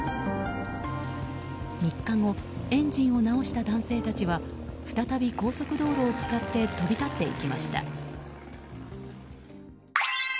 ３日後エンジンを直した男性たちは再び高速道路を使って飛び立っていきました。